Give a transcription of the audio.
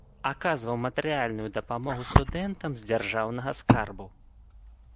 Аказваў матэрыяльную дапамогу студэнтам з дзяржаўнага скарбу.